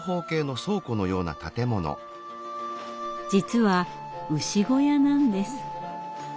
実は牛小屋なんです。